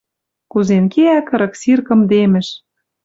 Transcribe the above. Кузен кеӓ кырык сир кымдемӹш